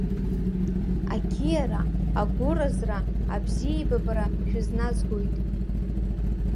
Ақьиара, агәыразра, абзиеибабара шәызназгоит.